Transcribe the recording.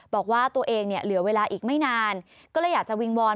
บอกว่าตัวเองเนี่ยเหลือเวลาอีกไม่นานก็เลยอยากจะวิงวอน